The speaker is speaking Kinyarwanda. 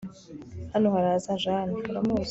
hano haraza jane. uramuzi